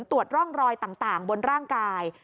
ตรวจร่องรอยต่างบนร่างกาย